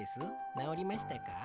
なおりましたか？